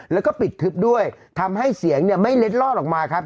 แล้วก็ปิดทึบด้วยทำให้เสียงเนี่ยไม่เล็ดลอดออกมาครับ